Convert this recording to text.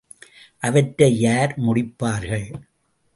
அவற்றை யார் முடிப்பார்கள்?